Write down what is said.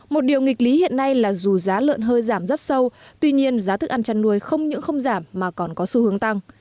một điều nghịch lý hiện nay là dù giá lợn hơi giảm rất sâu tuy nhiên giá thức ăn chăn nuôi không những không giảm mà còn có xu hướng tăng